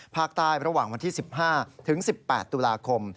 ภาคใต้ระหว่างวันที่๑๕ถึง๑๘ตุลาคม